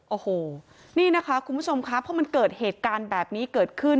โอ้โหนี่นะคะคุณผู้ชมครับพอมันเกิดเหตุการณ์แบบนี้เกิดขึ้น